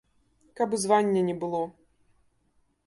Каб і звання не было.